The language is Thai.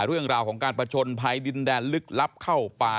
เรื่องราวของการประชนภัยดินแดนลึกลับเข้าป่า